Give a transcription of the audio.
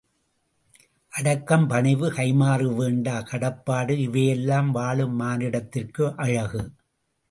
அடக்கம், பணிவு, கைம்மாறு வேண்டா கடப்பாடு இவையெல்லாம் வாழும் மானிடத்திற்கு அழகு!